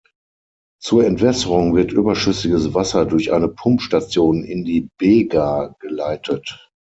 Zur Entwässerung wird überschüssiges Wasser durch eine Pumpstation in die Bega geleitet.